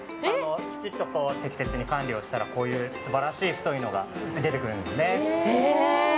きちっと適切に管理をしたらこういう素晴らしい太いのが出てくるんですよね。